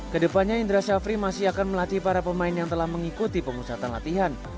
kedepannya indra syafri masih akan melatih para pemain yang telah mengikuti pemusatan latihan